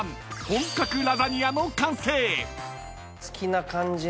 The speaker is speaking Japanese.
本格ラザニアの完成］